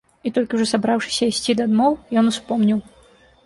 І толькі ўжо сабраўшыся ісці дамоў, ён успомніў.